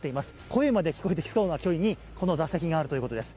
声まで聞こえてきそうな距離にこの打席があるということです。